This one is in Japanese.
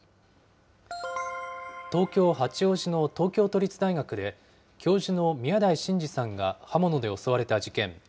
東京・八王子の東京都立大学で、教授の宮台真司さんが刃物で襲われた事件。